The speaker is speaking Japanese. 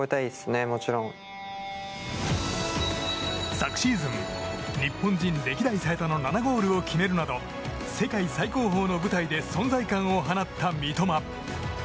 昨シーズン、日本人歴代最多の７ゴールを決めるなど世界最高峰の舞台で存在感を放った三笘。